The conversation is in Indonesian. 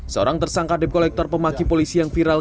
seorang tersangka dep kolektor pemaki polisi yang viral